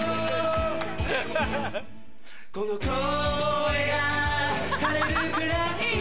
この声が枯れるくらいに